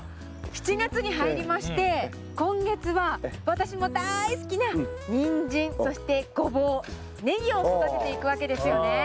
７月に入りまして今月は私もだい好きなニンジンそしてゴボウネギを育てていくわけですよね。